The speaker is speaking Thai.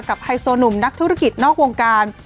ไฮโซหนุ่มนักธุรกิจนอกวงการ